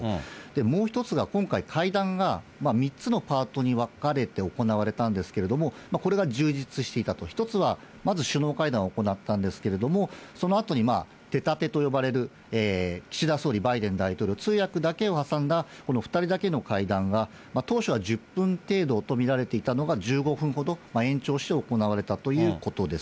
もう一つが今回、会談が３つのパートに分かれて行われたんですけれども、１つはまず首脳会談を行ったんですけれども、そのあとに、てたてと呼ばれる、岸田総理、バイデン大統領、通訳だけを挟んだ２人だけの会談が、当初は１０分程度と見られていたのが１５分ほど延長して行われたということです。